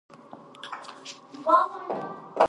په هند کې پي پي پي دیني تقدیر ګڼل کېږي.